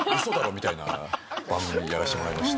みたいな番組やらせてもらいまして。